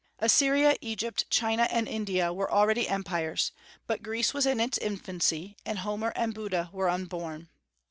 Assyria, Egypt, China, and India were already empires; but Greece was in its infancy, and Homer and Buddha were unborn.